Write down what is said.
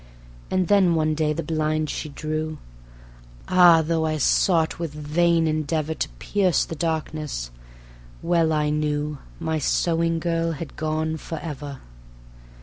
And then one day the blind she drew, Ah! though I sought with vain endeavor To pierce the darkness, well I knew My sewing girl had gone for ever.